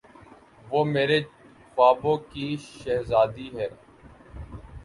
وہ میرے خوابوں کی شہزادی ہے۔